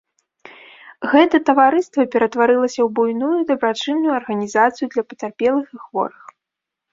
Гэта таварыства ператварылася ў буйную дабрачынную арганізацыю для пацярпелых і хворых.